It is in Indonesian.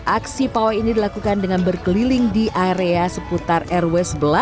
aksi pawai ini dilakukan dengan berkeliling di area seputar rw sebelas